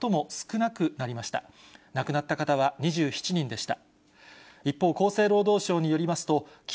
亡くなった方は２７人でした。